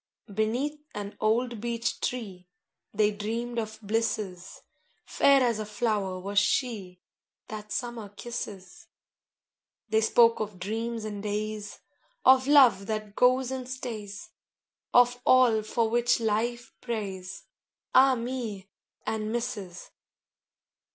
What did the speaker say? VI Beneath an old beech tree They dreamed of blisses; Fair as a flower was she That summer kisses: They spoke of dreams and days, Of love that goes and stays, Of all for which life prays, Ah me! and misses.